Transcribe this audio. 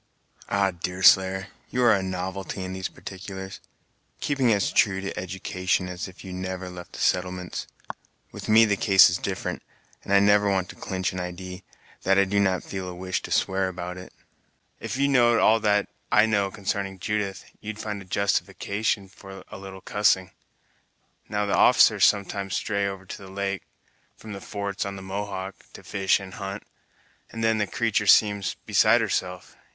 "Ah, Deerslayer, you are a novelty in these particulars; keeping as true to education as if you had never left the settlements. With me the case is different, and I never want to clinch an idee, that I do not feel a wish to swear about it. If you know'd all that I know consarning Judith, you'd find a justification for a little cussing. Now, the officers sometimes stray over to the lake, from the forts on the Mohawk, to fish and hunt, and then the creatur' seems beside herself!